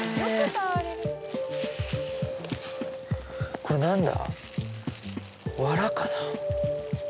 これ何だ？